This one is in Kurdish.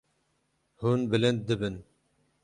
Hûn bilind dibin.